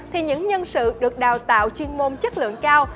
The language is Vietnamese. thì những nhân sự được đào tạo chuyên môn chất lượng cao